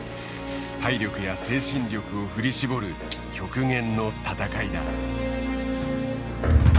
体力や精神力を振り絞る極限の戦いだ。